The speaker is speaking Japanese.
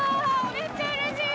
めっちゃうれしい。